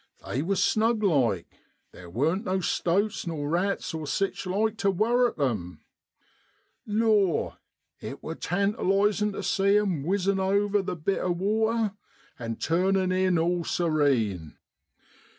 They was snug like ; theer wasn't no stoats, nor rats, or sich like to worrit 'em. Law ! it wor tantalisin' tu see 'em whizzin' over the bit o' water, and turnin' in all serene.